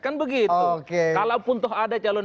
kan begitu kalau pun ada calon